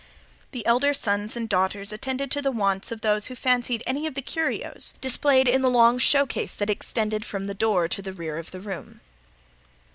The elder sons and daughters attended to the wants of those who fancied any of the curios displayed in the long showcase that extended from the door to the rear of the room.